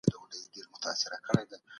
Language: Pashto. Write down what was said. دا خبره په نبوي احادیثو کي ثابته ده.